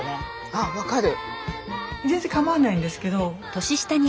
あっ分かる。